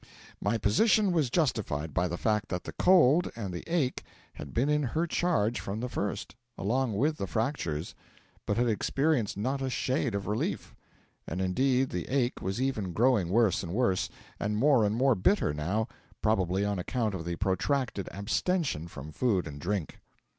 My position was justified by the fact that the cold and the ache had been in her charge from the first, along with the fractures, but had experienced not a shade of relief; and indeed the ache was even growing worse and worse, and more and more bitter, now, probably on account of the protracted abstention from food and drink.